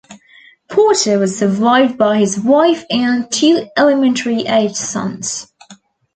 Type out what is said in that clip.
Porter was survived by his wife and two elementary age sons.